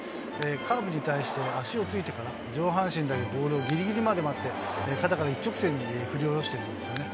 カーブに対して、足をついてから上半身だけボールをぎりぎりまで待って、肩から一直線に振り下ろしているんですよね。